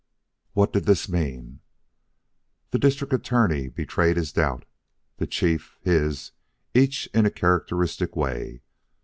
What did this mean? The District Attorney betrayed his doubt; the Chief his, each in a characteristic way.